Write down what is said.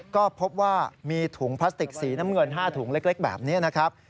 ก็พบว่ามีถุงพลาสติกสีน้ำเงิน๕ถุงเล็กแบบนี้นะครับ